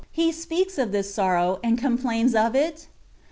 He speaks of this sorrow, and complains of it?